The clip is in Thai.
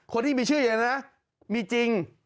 คนที่มีชื่ออย่างนั้นนะมีจริง